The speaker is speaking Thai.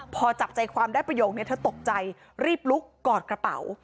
พอจับใจความได้ประโยคนี้เธอตกใจรีบลุกกอดกระเป๋า